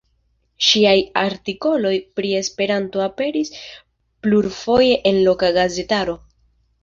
Ŝiaj artikoloj pri Esperanto aperis plurfoje en loka gazetaro.